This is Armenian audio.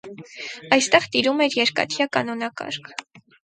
Այստեղ տիրում էր երկաթյա կանոնակարգ։